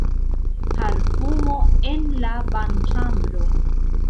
Parfumo en la banĉambro.